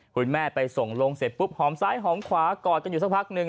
คุณแม่ไปส่งลงเสร็จปุ๊บหอมซ้ายหอมขวากอดกันอยู่สักพักหนึ่ง